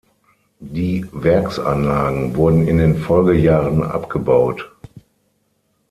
Die Werksanlagen wurden in den Folgejahren abgebaut.